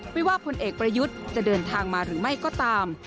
ว่าพลเอกประยุทธ์จะเดินทางมาหรือไม่ก็ตาม